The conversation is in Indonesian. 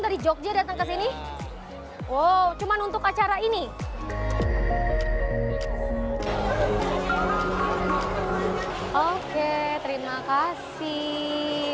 dari jogja datang ke sini wow cuman untuk acara ini oke terima kasih